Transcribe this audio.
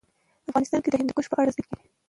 افغانستان کې د هندوکش په اړه زده کړه کېږي.